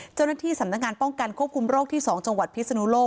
เจ้าหน้าที่สำนักงานป้องกันควบคุมโรคที่๒จังหวัดพิศนุโลก